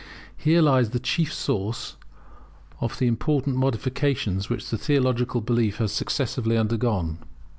Here lies the chief source of the important modifications which theological belief has successively undergone.